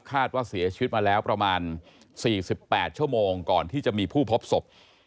คาดว่าเสียชีวิตมาแล้วประมาณ๔๘ชั่วโมงก่อนที่จะมีผู้พบศพ